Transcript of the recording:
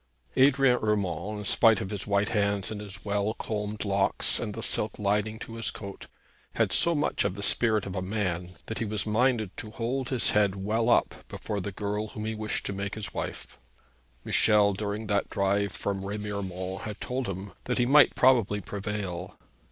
Adrian Urmand, in spite of his white hands and his well combed locks and the silk lining to his coat, had so much of the spirit of a man that he was minded to hold his head well up before the girl whom he wished to make his wife. Michel during that drive from Remiremont had told him that he might probably prevail.